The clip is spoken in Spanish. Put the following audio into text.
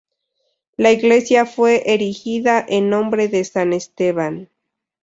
La iglesia fue erigida en nombre de San Esteban.